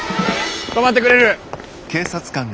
止まってくれる？